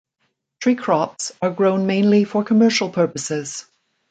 Tree crops are grown mainly for commercial purposes.